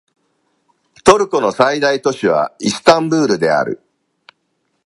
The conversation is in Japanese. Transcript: トルコの最大都市はイスタンブールである